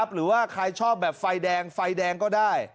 หรือว่าใครชอบไฟแดงก็ได้